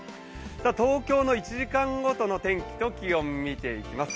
東京の１時間ごとの天気と気温を見ていきます。